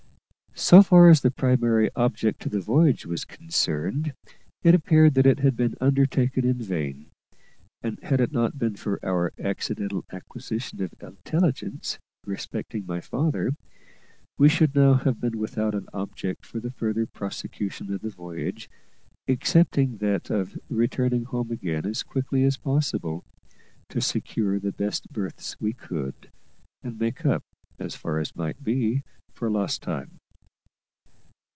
So far as the primary object of the voyage was concerned, it appeared that it had been undertaken in vain; and had it not been for our accidental acquisition of intelligence respecting my father, we should now have been without an object for the further prosecution of the voyage, excepting that of returning home again as quickly as possible, to secure the best berths we could, and make up, as far as might be, for lost time.